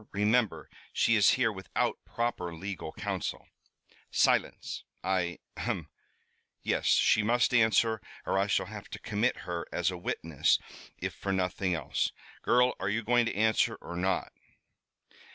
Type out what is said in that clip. Remember, she is here without proper legal council." "Silence! I ahem yes, she must answer, or I shall have to commit her, as a witness if for nothing else. Girl, are you going to answer or not?"